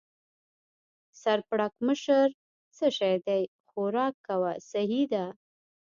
سر پړکمشر: څه شی؟ خوراک کوه، سهي ده.